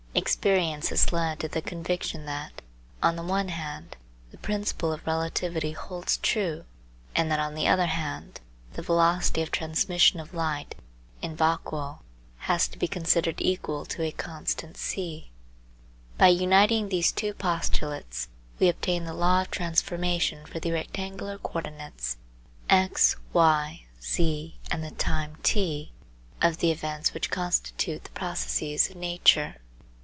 Experience has led to the conviction that, on the one hand, the principle of relativity holds true and that on the other hand the velocity of transmission of light in vacuo has to be considered equal to a constant c. By uniting these two postulates we obtained the law of transformation for the rectangular co ordinates x, y, z and the time t of the events which constitute the processes of nature.